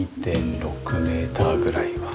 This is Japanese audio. ２．６メーターぐらいは。